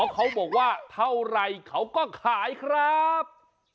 เขาบอกว่าเท่าไหร่เขาก็ขายครับ